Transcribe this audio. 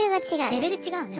レベル違うね。